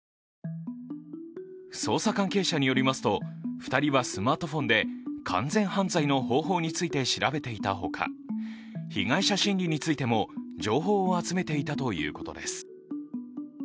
捜査関係者によりますと、２人はスマートフォンで完全犯罪の方法について調べていたほか被害者心理についても情報を集めていたということです。